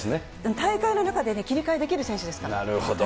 大会の中で切り替えできる選なるほど。